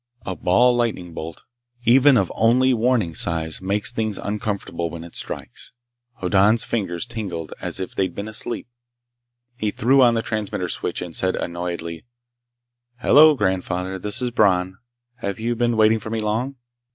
A ball lightning bolt, even of only warning size, makes things uncomfortable when it strikes. Hoddan's fingers tingled as if they'd been asleep. He threw on the transmitter switch and said annoyedly: "Hello, grandfather. This is Bron. Have you been waiting for me long?"